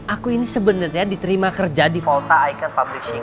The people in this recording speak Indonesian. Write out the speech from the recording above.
aku ini sebenarnya diterima kerja di volta icon publishing